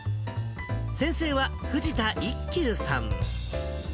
先生は藤田一休さん。